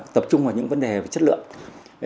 tập trung vào những vấn đề về chất lượng